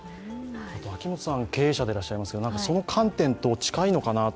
秋元さん、経営者でいらっしゃいますけど、その観点と近いのかなと。